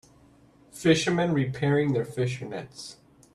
Fishermen repairing their fish nets.